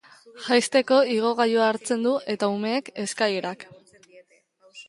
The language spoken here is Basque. Jaisteko igogailua hartzen du eta umeek eskailerak.